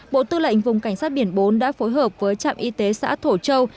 bộ tư lệnh vùng cảnh sát biển bốn đã phối hợp với trạm y tế xã thổ châu